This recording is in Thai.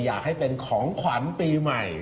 อยากให้เป็นของขวัญปีใหม่